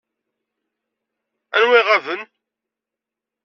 Aniwa iɣaben?